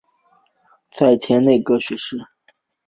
再迁内阁学士。